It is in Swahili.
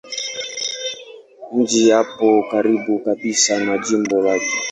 Mji upo karibu kabisa na jimbo lake.